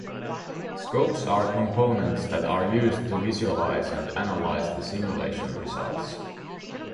Scopes are components that are used to visualize and analyze the simulation results.